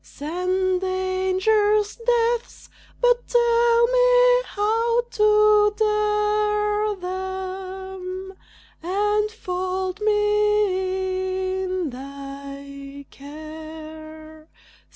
Send dangers deaths! but tell me how to dare them; Enfold me in thy care.